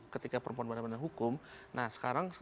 ketika perempuan berada dalam hukum nah sekarang